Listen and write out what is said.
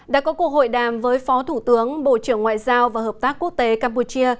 đã có cuộc hội đàm với phó thủ tướng bộ trưởng ngoại giao và hợp tác quốc tế campuchia